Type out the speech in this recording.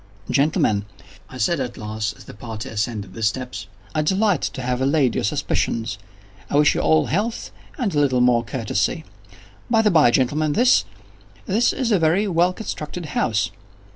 "Gentlemen," I said at last, as the party ascended the steps, "I delight to have allayed your suspicions. I wish you all health, and a little more courtesy. By the bye, gentlemen, this—this is a very well constructed house."